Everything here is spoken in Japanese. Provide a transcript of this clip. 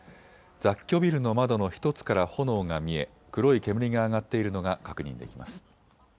雑居ビルの窓の１つから炎が見え黒い煙が上がっているのが確認できます。